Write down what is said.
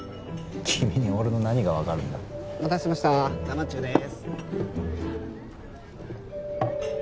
君に俺の何が分かるんだお待たせしました生中です